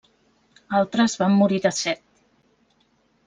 Altres van morir de set.